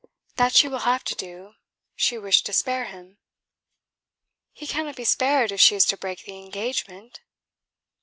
"That she will have to do. She wished to spare him." "He cannot be spared if she is to break the engagement."